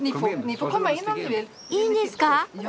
いいんですか！？